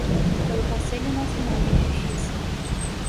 pelo Conselho Nacional de Justiça;